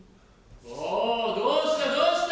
おどうしたどうした。